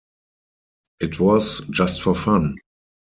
It was just for fun.